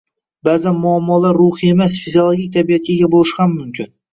Ba’zan muammo ruhiy emas, fiziologik tabiatga ega bo‘lishi ham mumkin.